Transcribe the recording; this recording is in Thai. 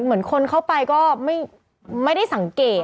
เหมือนคนเข้าไปก็ไม่ได้สังเกต